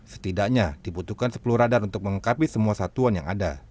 setidaknya dibutuhkan sepuluh radar untuk melengkapi semua satuan yang ada